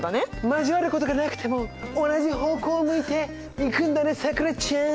交わることがなくても同じ方向を向いていくんだねさくらちゃん。